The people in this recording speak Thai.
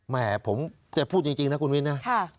แม่ผมจะพูดจริงนะคุณวินนะ